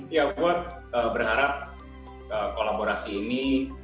ya buat berharap kolaborasi ini